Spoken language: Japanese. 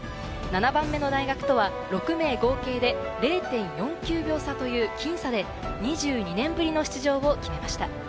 ７番目の大学とは６名合計で０．４９秒差という僅差で２２年ぶりの出場を決めました。